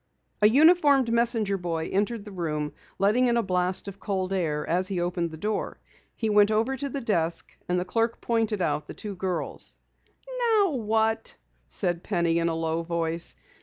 A uniformed messenger boy entered the room, letting in a blast of cold air as he opened the door. He went over to the desk and the clerk pointed out the two girls. "Now what?" said Penny in a low voice.